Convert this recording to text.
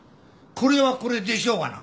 これはこれでしょうがな。